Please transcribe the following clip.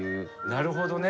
なるほどね。